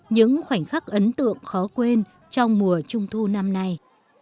những khoảnh khắc ấn tượng khó quên trong mùa trung thu năm nay